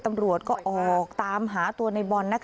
ตำรวจก็ออกตามหาตัวในบอล